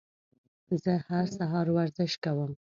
زه هر سهار ورزش کوم.